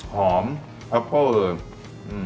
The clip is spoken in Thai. หอมชัพโฟล์เลย